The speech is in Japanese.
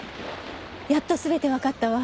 やっと全てわかったわ。